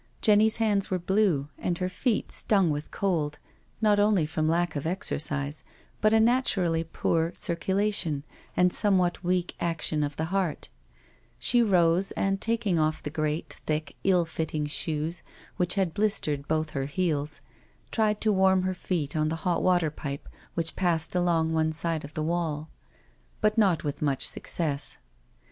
Jenny's hands were blue and her feet stung with cold, not only from lack of exercise, but a naturally poor circulation and somewhat weak action of the heart* She rose and taking off the great thick, ill fitting shoes^ which had blistered both her heels, tried to warm her feet on the hot water pipe which passed along one side of the wall; but not with much success.